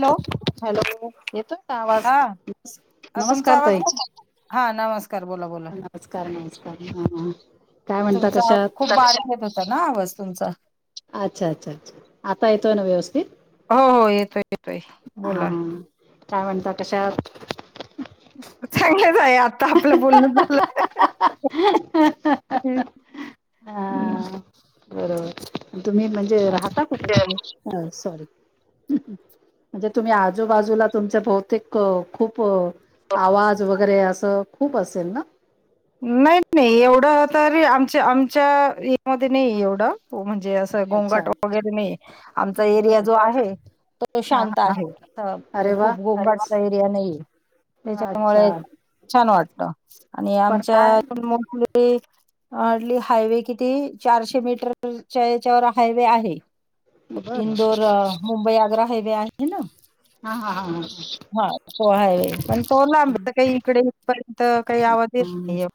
Hello hello? येतोय का आवाज? अ तुमचा नमस्कार आवाज ताई. [unintelligible] हा नमस्कार बोला बोला. नमस्कार नमस्कार हं हं. तुमचा आवाज खूप बारीक येत होता ना, आवाज तुमचा अच्छा अच्छा अच्छा आता येतोय ना व्यवस्थित? हो हो येतोय-येतोय हा बोला. काय म्हणता, कशा हात? चांगलंच हाय आता आपलं बोलण झालं. हां तर तुम्ही म्हणजे राहता कुठ तुम्ही? सॉरी. म्हणजे तुम्ही आजूबाजूला तुमच्या बहुतेक खूप आवाज वग गरे असं खूप असेल न? नही नही एवढं तरी आमच्य आमच्य यामध्ये नही एवढं, म्हणजे चं घोंगाट अच्छा वगैरे नहीये, आमचा एरिया बरं जो आहे तो हा हा शांत हा आहे. अरे वा खूप गोंगाटचा एरिया नहीये, अच्छा त्याच्यामुळे छान वाटत. पण काय [unintelligible] हार्डली हायवे किती, चारशे मीटरच्या याच्यावर हायवे आहे. बरं इंदोर मुंबई आग्रा हायवे आहे ना? हा हा हा हा हां तो हायवे, पण तो न लांब काही इकडे. पर्यंत काही आवज येत हम नाहीये.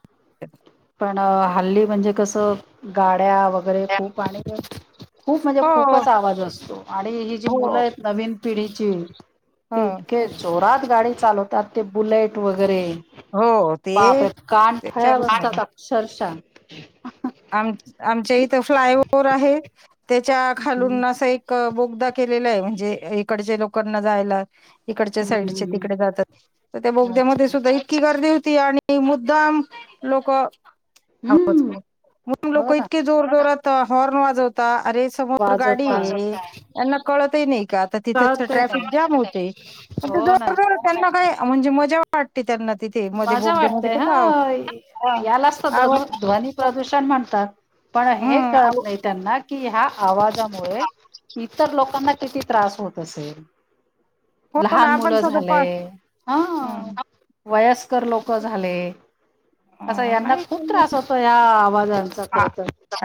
पण हल्ली म्हणजे कसं? गाड्या वगैरे खूप आणि खूप म्हणजे हो खूपच आवाज असतो आणि ही जी हो मुलं यत नवीन पिढीची ह ते इतके जोरात गाडी चालवतात, ते बुलेट वगैरे हो. ते बापे कान ठळ्या त्याच्यावरच बसतात अक्षरश आम-आमच्या इथं फ्लायओव्हर आहे, त्याच्या हम्म, खालून असं एक बोगदा केलेला य म्हणजे इकडच्या लोकांना जायला. इकडच्या साईडचे हम्म, तिकडे जातात, त त्या बोगद्यामध्ये अच्छा सुद्धा इतकी गर्दी होती आणि मुद्दाम लोक आवज हम्म क् म्हणून हो लोकं ना इतके जोर-जोरात हॉर्न वाजवतात, अरे समोर गाडी वाजवता ये यांना कळतही नही का आता तिथं तर कळतही नाही ट्रॅफिक जाम होते. हो ना. त्याना काय म्हणजे मज्जा वाटते त्यांना तिथे. मजा वाटतय कस हं, यालाचं तर आवाज ध्वद-ध्वनी प्रदूषण म्हणतात, पण हे कळत हम्म नाही त्यांना कीं ह्या आवाजा मुळे, इतर लोकांना किती त्रास होत असेल. हो लहान ना आपण मुलं सगळं झालेय, हं. वयस्कर लोकं झाले, असा हम्म यांना खूप त्रास होतो, ह्या आवाजा हां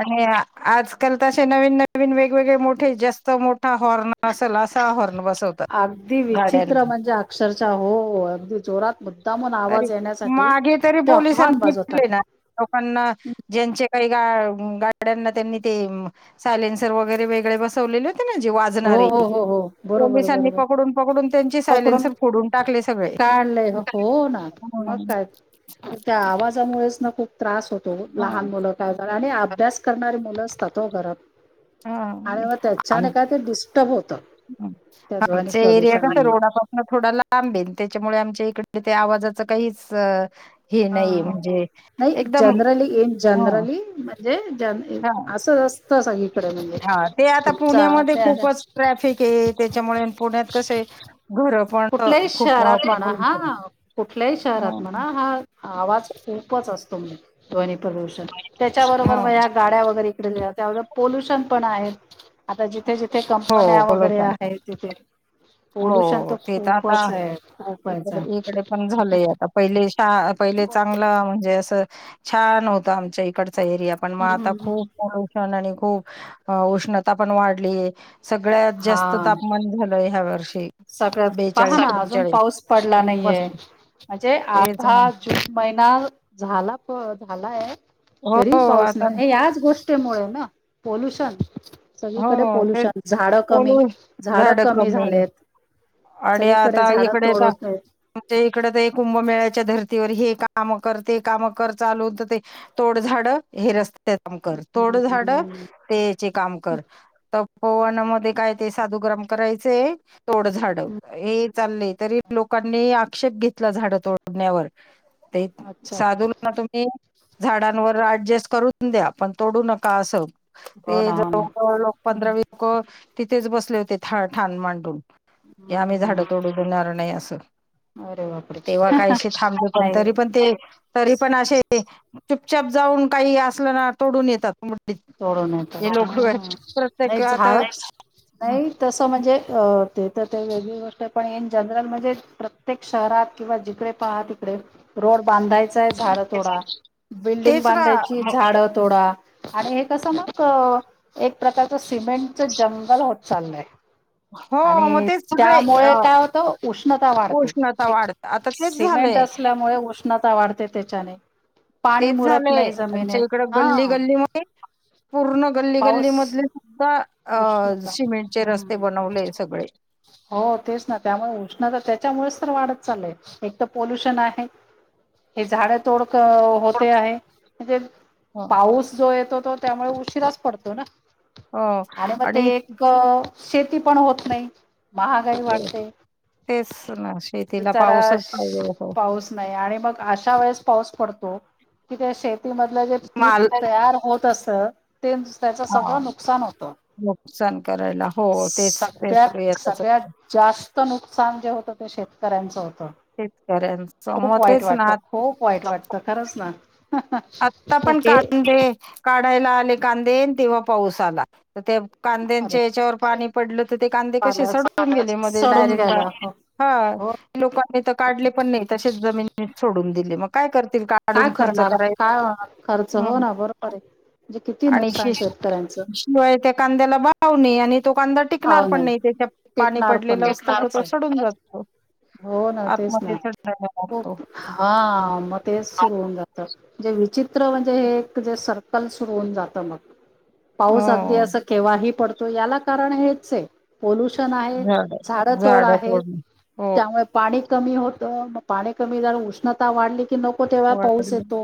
आणि आजकाल तशे नवीन-नवीन वेगवेगळे, मोठे जास्त मोठा हॉर्न असल असा हॉर्न बसव अगदी विचित्र म्हणजे, अक्षरशः हो अगदी जोरात मुद्दामून तरी, आवाज येण्यासाठी मागे तरी ते हॉर्न पोलिसांनी नि [unintelligible] वाजवतात टले ना लोकांना ज्यांचे काही गा-गाड्यांना त्यांनी ते सायलेन्सर वगैरे वेगळे बसवलेलेत ते न जे हो वाजणारे, हो हो हो बरोबर पोलिसांनी बरोबर पकडून पकडून त्यांचे पकडून सायलेन्सर फोडून टाकले सगळे काढलंय हो ना मग हम्म काय? त्या आवाजामुळेच ना खूप त्रास होतो हम्म लहान मुलं [unintelligible] आणि अभ्यास करणारी मुलं असतात हो घरात. हा आणि आम्ही मग आम त्याच्याने काय ते डिस्टर्ब होतं त्या ध्वनी आमचे एरिया कस प्रदूषणमुळे रोडापासन थोडा लांब लाांबेन त्याच्यामुळे आमच्या इकडे ते आवाजाचं काहीच हे हा नाही -हा म्हणजे नाही एकदम जनरली येन हं जनरली म्हणजे जन एन् असं तस ही हा ते आता पुण्यामध्ये खूपच ट्रॅफिकेय त्याच्यामुळे अन पुण्यात कसंय घर पण - - कुठल्याही शहरात म्हणा हा कुठल्या हं. शहरात म्हणा हा. आवाज खूपच असतो म्हण ध्वनी प्रदूषण त्याच्याबरोबर मग ह्या गाड्या वगैरे त्या एवढ पोल्युशन पण आहेत. आता जिथ जिथ हो हो कंपन्या वगैरे पोल्युशन आहेत तिथे हो पोल्युशन तर ते आता खूपच आहे. खूपचाय इकडे इकडे पण झालंय आता पहिले शा पहिले चांगलं म्हणजे असं छान होतं आमच्या इकडचा एरिया. पण मग हम्म आता हम्म हम्म खूप पल्युशन आणि खूप अ उष्णता पण वाढली. सगळ्यात जास्त हा तापमान झालंय ह्या वर्षी सगळ्यात. पहा बेचाळीस ना अजून त्रेचाळीस पाऊस पडला नाहीये. पस्तीस म्हणजे तेच आर्धा ना जून महिना झाला प झालाय तरी हो पाऊस आता नाही हे याच गोष्टी - टी मुळे ना पोल्युशन हो सगळीकडे तेच पोल्युशन झाडं कमी पोलू झाडं कमी झालेत आणि सगळीकडे आता झाडं इकडे तर तोडवतय आमच्या इकड तर एक कुंभमेळ्याच्या धर्तीवर हे काम कर ते काम कर चालू होत ते तोड झाड हे रस्ते काम कर तोड झाड ते चे काम कर तपवन मध्ये काय ते साधूग्राम करायचय तोड झाड हे चालले तरी लोकांनी आक्षेप घेतला झाडं तोड - - तोडण्यावर ते अच्छा साधूंना तुम् झाडांवर अऍडजस्ट करून द्या. पण तोडू नका असं हो ते ना हो ना. जवळ [unintelligible] पंधरा वी लोक तिथेच बसले होते ठाण मांडून. की आम्ही झाड हम्म तोडू देणार नाही असं अरे बापरे तेव्हा काहीशी थांबले. पण नाही तरी पण ते तरी पण अशे चुपचप जाऊन काही असलं ना तोडून येतात. तोडू नयेत हे लोक हा. नाही प्रत्येक आता झाड हम् नाही तसं म्हणजे अ ते तर ते वेगळी गोष्ट पण इन जनरल म्हणजे प्रत्येक शहरात किंवा जिकडे पहा तिकडे रोड बांधायचाय झाडं तोडा बिल्डिंग तेच ना बांधायची झाडं तोडा आणि एक तसं मग एक प्रकारच सिमेंटच जंगल होत चाललय. हो मग आणि तेच सगळे अ त्यामुळे काय होतं उष्णता वाढते. उष्णता एक वाढत आता तेच सिमेंट झालंय असल्यामुळे उष्णता वाढते त्याच्याने. पाणी तेच मुरत झालंय नाही आमच्या जमिनीत इकडं गल्ली हा गल्ली मधे पूर्ण गल्ली गल्ली पाऊस मधले सुद्धा अ उष्णता शिमेंटचे हम्म. रस्ते बनवले सगळे हो तेच ना त्यामुळे उष्णता त्याच्यामुळेच तर वाढत चालय. एक तर पोल्युशन आहे. हे झाड तोड क होते आहे. म्हणजे हो पाऊस जो येतो तो त्यामुळे उशिराच पडतो ना? आणि म ते एक शेती पण होत नाही. महागाई ते वाढते तेच ना शेतीला बिचार पाऊसच पाहिजे हो पाऊस नाही आणि मग अशा वेळेस पाऊस पडतो की ते शे मधलं जे पीक माल तयार होत असत ते त्याच सगळं नुकसान होतं. सन करायला. हो तेच तेच सगळ्यात येतच सगळ्यात आहे. जास्त नुकसान जे होतं ते शेतकऱ्यांचं होतं. शेतकऱ्यांचं मग खूप वाईट तेच ना वाटतं खूप वाईट वाटतं खरंच ना. आता तर पण हे कांदे काढायला आले कांदे तेव्हा पाऊस आला तर ते अरे कांद्याच्या हेच्यावर पाणी पडलं तर ते कांदे कसे पालच सडून गेले मग ते सडून डायरेक्ट. गेला हो हा. हो लोकांनी तर काढले पण नाही तसेच जमीनी सोडून दिले मग काय करतील का काय करणार काय होणार खर्च हो हम्म ना. बरोबर आहे. म्हणजे किती नुकसान शेतकऱ्यांचं. होय. त्या कांद्याला वाळवणे आणि तो कांदा टिकणार पण नाही त्याच्यात पाणी टेकणार पण पडलेलं नाही असतं तर खरंच तो आहे सडून जातो. हो ना. तेच ना. आतमध्ये सडायला लागतो खूप हा मग तेच सुरू होऊन जात. जे विचित्र म्हणजे हे एक जे सर्कल सुरू होऊन जातं मग. पाऊस अगदी हो असं केव्हाही पडतो, याला कारण हेच आहे. पोल्युशन आहे, झाड तोड आहे. त्यामुळे पाणी कमी होतं मग पाणी कमी झालं उष्णता वाढली की नको तेव्हा पाऊस वाढले येतो.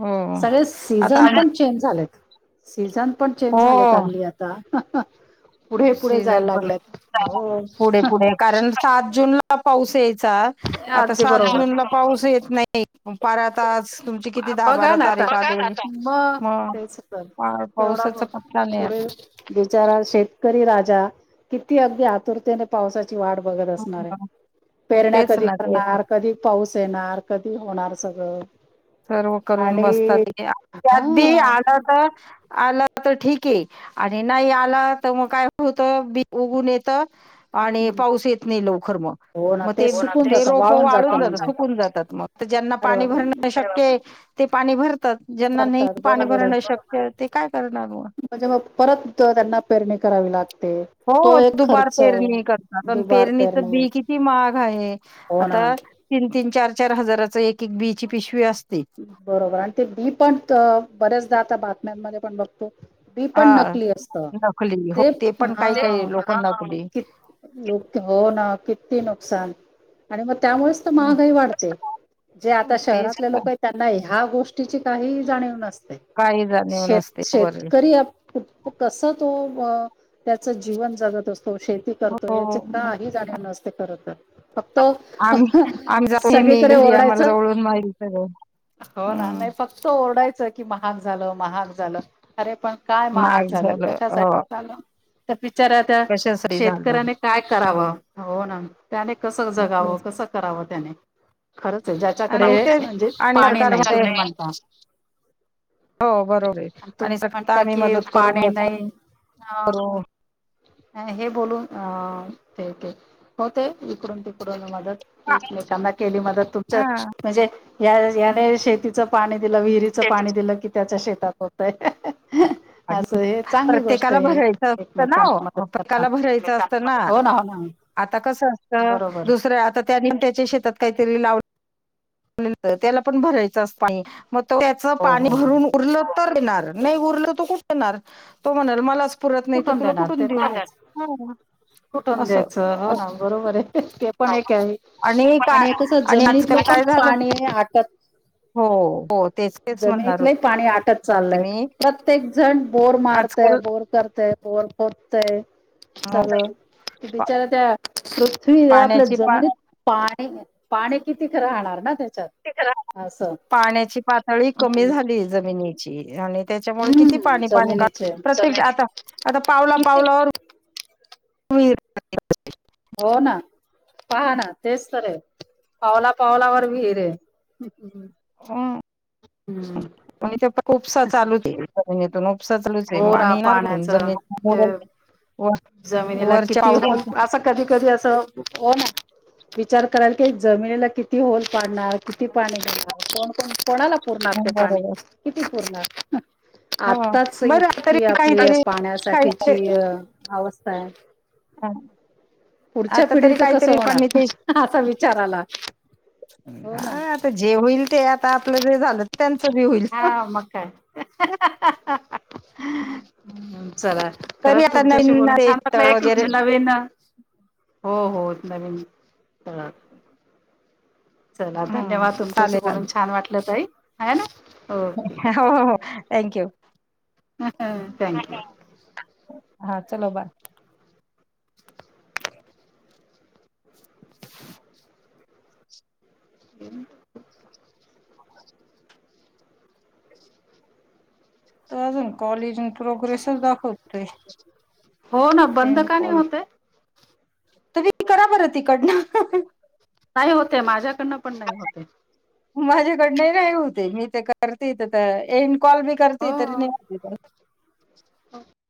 हो सगळे आता सीझन आम पण चेंज झालेत. सीझन पण चेंज झालेत हो आगली आता. पुढे पुढे सीझन जायला पण लागलेत. हो पुढे पुढे कारण सात जून ला पाऊस यायचा. आता अगदी सात बरोबर जूनला पाऊस येत नाही. परत आज तुमची किती दहा बघा बारा ना आता तारीख आहे. मग तेच तर हा. तेवढा पावसाचा पत्ता नाही. पुढे बिचारा शेतकरी राजा, किती अगदी आतुरतेने पावसाचे ची वाट बघत असणार आहे. मग पेरण्या तेच कधी ना ते करणार कधी पाऊस येणार कधी होणार सगळं सर्व करून आणि बसतात ते. हा. त्यात बी आलं तर आलं तर ठीक आहे आणि नाही आला तर मग काय होत बी उगवून येत आणि हम्म. पाऊस येत नाही लवकर मग. हो ना मग ते सुकून जातं रोप जातं वाळून जातात म्हणजे सुखून जातात मग. ज्यांना अरे पाणी बापरे भर शक्य ते पाणी भरतात. ज्यांना नाही भरतात पाणी बरोबर आहे. भरणं शक्य ते काय करणार म. म्हणजे मग परत त्यांना पेरणी करावी लागते. हो तो हो. एक दुबार खर्च पेरणी करतात, पण दुबार पेरणीच पेरणी बी किती महाग आहे. हो ना. आता तीन तीन चार चार हजाराच एक एक बी ची पिशवी असते. बरोबर आणि ते बी पण बर्याचदा आता बातम्यांमध्ये पण बघतो बी पण हा नकली असत, नकली हो ते पण काही ते हा. काही लोक हां. नकली कि लोक हो ना. किती नुकसान आणि मग त्यामुळेच तर हं, महागाई वाढते. जे आता हं, तेच शहरातले लोक तर. आहेत त्यांना ह्या गोष्टीची काही जाणीव नसते काही जाणीव नसते बर शेत-शेतकरी आप कस तो अ त्याच जीवन जगत असतो, शेती करतो, हो याच मग काही जाणीव नसते खर तर. फक्त फक्त सगळीकडे ओरडायचं दोन मईलच गं. हो ना. नाही फक्त ओरडायचं की महाग झालं महाग झालं अरे पण काय महाग झालं, कशासाठी झालं, त्या बिचाऱ्या त्या कशासाठी झालं शेतकऱ्याने काय कराव. हो ना त्याने कस मग जगाव तेच कस कराव त्याने. खरच आहे. आणि ज्याच्याकडे ते म्हणजे आणि पाणी नाही. सरकारमध्ये तुम्ही म्हणता हो बरोबर आहे तुम्ही आणि सगळं म्हणता आम्ही कि, मदत करू पाणी मदत नाही करू अ हे बोलून अ ते होते इकडून तिकडून मदत. एकमेकांना केली मदत हा तुमच म्हणजे या याने शेतीच पाणी दिल, विहिरीच पाणी दिल कि, त्याच्या शेतात होतय. असं आणि हे चांगली गोष्ट प्रत्येकाला आहे भरायच असत ना हो. एकमेकांना मदत करणं. प्रत्येकाला भरायच असत ना. हो हो ना आता कस असत बरोबर दुसऱ्या आता त्या निमठायच्या शेतात काहीतरी लावल. त्याला पण भरायच असत पाणी. मग त्याच हो पाणी हो हो भरून उरल तर येणार. नाही उरल त कुठन देणार. तो म्हणाल मलाच - पुरत नाही तर, तुला देणार कुठून ते तर आहेच. देऊ? कुठून असं द्यायच? हो ना बरोबर आहे. ते पण एक आहे काय आणि कस आणि जमिनीतल आजकाल पण काय झालं पाणी पाणी आटत. हो हो तेच तेच म्हणणार जमिनीतल ही होते पाणी आटत चाललय. मी प्रत्येक जण बोर मारतय, आजकाल बोर करतेय, बोर खोदतेय. हो सगळ. बिचारा त्या पृथ्वी आपल्या पाण्याची पा जमिनीत पाणी -पाणी कितीक राहणार ना त्या पाण्याची पातळी कमी झाली जमिनीची आणि त्याच्यामुळे किती हम्म पाणी पाणीढ. जमिनीचे प्रत्येक आता आता पावला किती पावलावर विहीर [inaudible] हो ना पहा ना. तेच तर आहे. पावला पावलावर विहीर हे. हम आणि त्याच्या उपसा चालू च हे जमिनीतून उपसा चालूच हे. हो ना पाणी पाण्याच [unintelligible] ते व व जमिनीला वरच्या किती होल पाऊत असं कधी -कधी अस हो ना विचार कराल की, जमिनीला किती होल पाडणार. किती पाणी घेणार. कोण -कोण कोणाला पुरणार ते पाणी बरोबर किती पुरणार. हा आत्ताच इतकी आपली पाण्यासाठीची अवस्था आहे. हा पुढच्या आता तरी पिढीच कसं काहीतरी होणार असा विचार [unintelligible] आला हो ना हा जे होईल ते आता आपल जे झाल त्यान च बि होईल. हा मग काय हम्. चला तरी खरच आता तुमच्याशी नवीन बोलून ते छान वाटल. स्थळ एक वगैरे नवीन हो -हो नवीन चला धन्यवाद. हम्म तुमच्याशी चालेल बोलून चालेल छान वाटल ताई आहे ना. हो हो हो थँक् ह ह थँक्यू. हा, चलो बाय. हमम त अजून कॉल ईन प्रोग्रेसच दाखवतय. हो ना बंद का नाही होतय तुम्ही करा बर तिकडन. नाही होत हे. माझ्याकडन पण नाही होते. माझेकडन नाही होते. मी ते करते त एन्ड कॉल बी करते हो तरी हो. नाही होते.